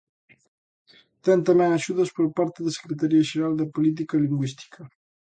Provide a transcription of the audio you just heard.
Ten tamén axudas por parte da Secretaría Xeral de Política Lingüística.